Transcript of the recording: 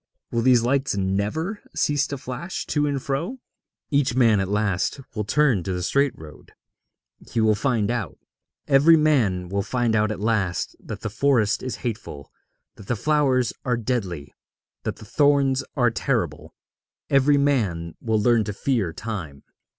Will these lights never cease to flash to and fro?' Each man at last will turn to the straight road. He will find out. Every man will find out at last that the forest is hateful, that the flowers are deadly, that the thorns are terrible; every man will learn to fear Time.